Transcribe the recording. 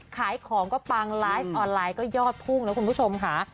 ขายของก็ปังไลฟ์ออนไลน์ก็ยอดพุ่งนะคุณผู้ชมค่ะ